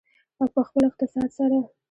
او په خپل اقتصاد سره.